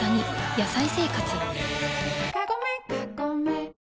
「野菜生活」